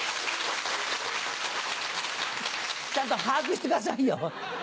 ちゃんと把握してくださいよ。